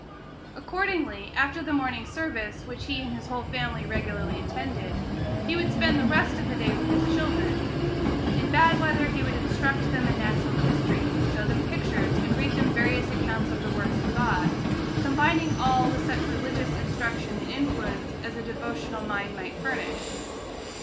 Accordingly, after the morning service, which he and his whole family regularly attended, he would spend the rest of the day with his children. In bad weather he would instruct them in natural history, show them pictures, and read them various accounts of the works of God, combining all with such religious instruction and influence as a devotional mind might furnish.